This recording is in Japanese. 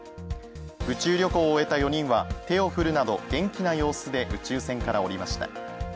宇宙旅行を終えた４人は手を振るなど元気な様子で宇宙船から降りました。